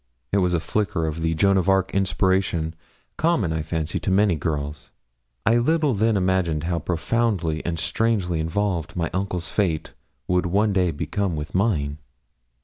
It was a flicker of the Joan of Arc inspiration, common, I fancy, to many girls. I little then imagined how profoundly and strangely involved my uncle's fate would one day become with mine.